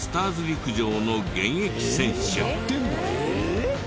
えっ！？